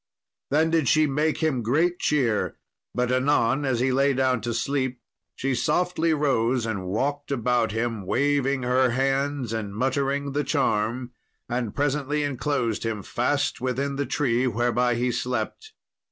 Then did she make him great cheer, but anon, as he lay down to sleep, she softly rose, and walked about him waving her hands and muttering the charm, and presently enclosed him fast within the tree whereby he slept.